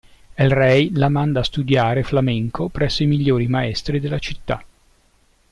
El Rey la manda a studiare flamenco presso i migliori maestri della città.